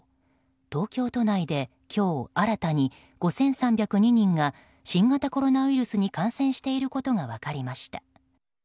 東京都内で今日新たに５３０２人が新型コロナウイルスに感染していることが分かりました。